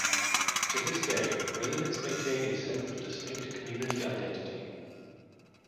To this day, residents maintain a sense of distinct community identity.